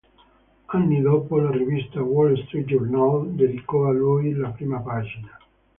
Anni dopo la rivista "Wall Street Journal" dedicò a lui la prima pagina.